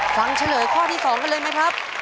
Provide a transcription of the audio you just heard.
เฉลยข้อที่๒กันเลยไหมครับ